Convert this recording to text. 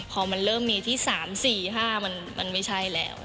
พอมันเริ่มมีที่๓๔๕มันไม่ใช่แล้ว